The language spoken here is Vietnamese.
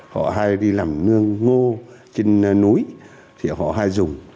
họ hay đi làm nương ngô trên núi thì họ hay dùng